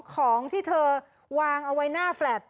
ของที่เธอวางเอาไว้หน้าแฟลต